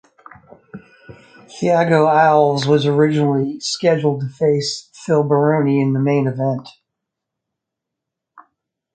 Thiago Alves was originally scheduled to face Phil Baroni in the main event.